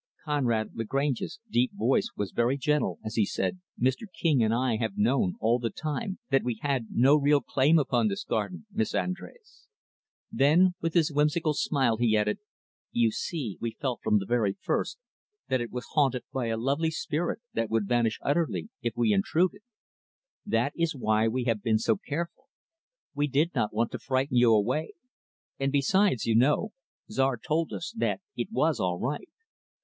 Conrad Lagrange's deep voice was very gentle as he said, "Mr. King and I have known, all the time, that we had no real claim upon this garden, Miss Andrés." Then, with his whimsical smile, he added, "You see, we felt, from the very first, that it was haunted by a lovely spirit that would vanish utterly if we intruded. That is why we have been so careful. We did not want to frighten you away. And besides, you know, Czar told us that it was all right!"